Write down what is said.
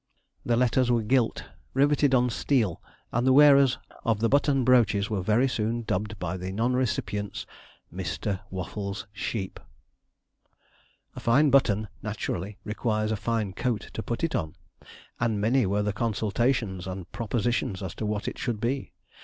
The letters were gilt, riveted on steel, and the wearers of the button brooches were very soon dubbed by the non recipients, 'Mr. Waffles' sheep.' A fine button naturally requires a fine coat to put it on, and many were the consultations and propositions as to what it should be.